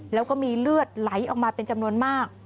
แล้วก็มีเลือดไหลออกมาเป็นจำนวนมาก